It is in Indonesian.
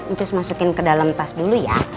terus masukin ke dalam tas dulu ya